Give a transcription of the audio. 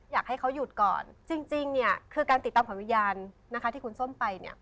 อยากให้เขาหยุดก่อนจริงเนี่ยคือการติดตามของวิญญาณนะคะที่คุณส้มไปเนี่ย